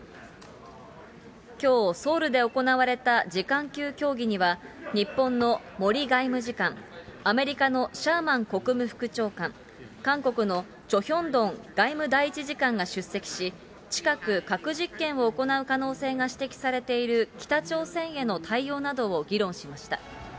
きょう、ソウルで行われた次官級協議には、日本の森外務次官、アメリカのシャーマン国務副長官、韓国のチョ・ヒョンドン外務第一次官が出席し、近く、核実験を行う可能性が指摘されている北朝鮮への対応などを議論しました。